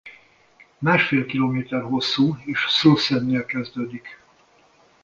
Másfél kilométer hosszú és a Slussen-nél kezdődik.